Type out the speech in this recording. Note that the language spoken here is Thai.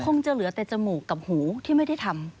คงจะเหลือแต่จมูกกับหูที่ไม่ได้ทำ